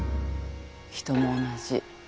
人も同じ。